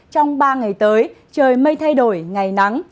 trong ba ngày tới trời mây thay đổi ngày nắng